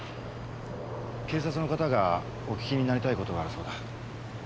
警察の方がお訊きになりたい事があるそうだ。